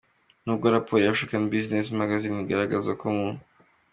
Nubwo Raporo ya African Business magazine igaragaza ko mu